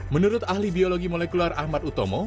menurut ahli biologi molekuler ahmad utomo